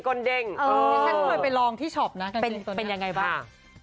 นี่ฉันเคยไปลองที่ช็อปนะเป็นยังไงบ้าง